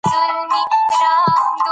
دا مفکوره د ختیځ او لویدیځ ګډ حاصل دی.